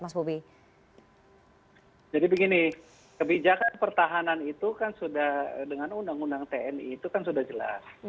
jadi begini kebijakan pertahanan itu kan sudah dengan undang undang tni itu kan sudah jelas